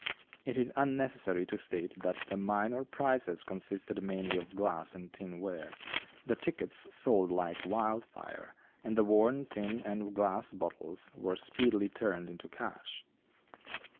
It is unnecessary to state that the minor prizes consisted mainly of glass and tin ware; the tickets sold like wildfire, and the worn tin and glass bottles were speedily turned into cash.